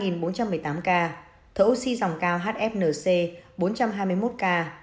thở oxy dòng cao hfnc bốn trăm hai mươi một ca